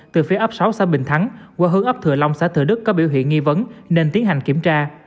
từ phía ấp sáu xã bình thắng qua hướng ấp thừa long xã thừa đức có biểu hiện nghi vấn nên tiến hành kiểm tra